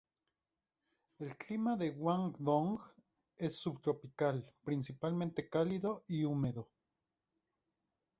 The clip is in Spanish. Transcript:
El clima de Guangdong es subtropical, principalmente cálido y húmedo.